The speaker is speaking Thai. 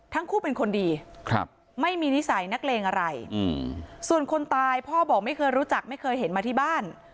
ทั้งคู่เป็นคนดีไม่มีนิสัยนักเลงอะไรส่วนคนตายพ่อบอกไม่เคยรู้จักไม่เคยเห็นมาที่บ้าน